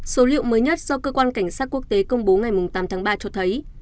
số liệu mới nhất do cơ quan cảnh sát quốc tế công bố ngày tám tháng ba cho thấy